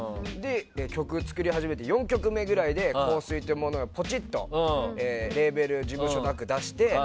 曲を作り始めて４曲目ぐらいで「香水」というものをポチっとレーベル、事務所なく出して。